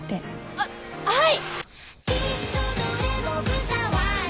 あっはい！